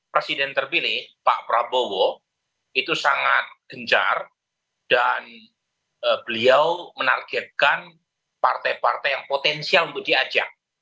presiden terpilih pak prabowo itu sangat gencar dan beliau menargetkan partai partai yang potensial untuk diajak